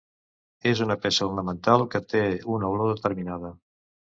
És una peça ornamental que té una olor determinada.